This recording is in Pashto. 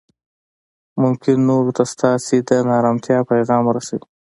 ممکن نورو ته ستاسې د نا ارامتیا پیغام ورسوي